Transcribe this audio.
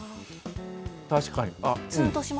確かに。